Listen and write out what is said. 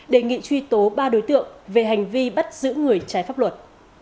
đề nghị truy tố ba đối tượng về hành vi bắt giữ người trái pháp luật